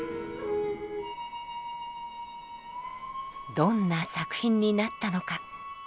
どんな作品になったのか。